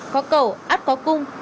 có cầu át có cung